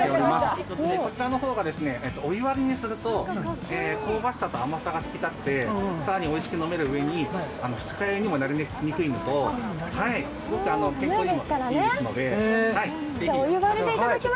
こちら、お湯割りにすると香ばしさと甘さが引き立って更においしく飲めるうえに二日酔いにもなりにくいのと、健康にもいいですので、ぜひ。